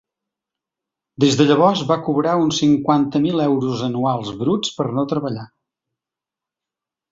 Des de llavors, va cobrar uns cinquanta mil euros anuals bruts per no treballar.